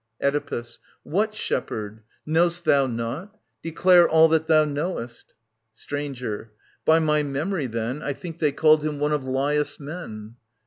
Oedipus. What shepherd ? Know*st thou not ? Declare All that thou knowest. Stranger. By my memory, then, I think they called him one of LaTus* men.